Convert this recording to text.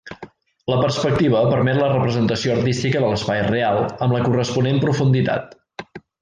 La perspectiva permet la representació artística de l'espai real amb la corresponent profunditat.